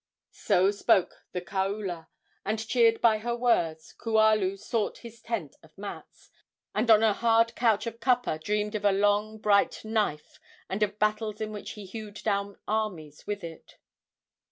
So spoke the kaula, and, cheered by her words, Kualu sought his tent of mats, and on a hard couch of kapa dreamed of a long, bright knife, and of battles in which he hewed down armies with it.